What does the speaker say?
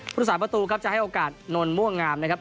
สาประตูครับจะให้โอกาสนนทม่วงงามนะครับ